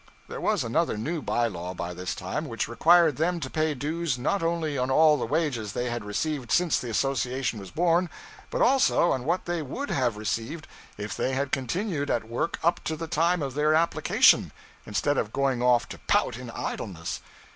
There was another new by law, by this time, which required them to pay dues not only on all the wages they had received since the association was born, but also on what they would have received if they had continued at work up to the time of their application, instead of going off to pout in idleness.